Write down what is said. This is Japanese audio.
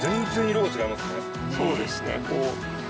そうですね。